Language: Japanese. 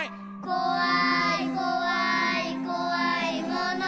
「こわいこわいこわいもの」